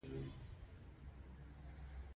هغوی د حالت د مطلق خرابوالي لامل هم دي